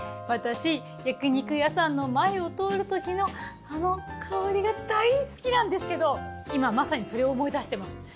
私焼き肉屋さんの前を通るときのあの香りが大好きなんですけど今まさにそれを思い出してます。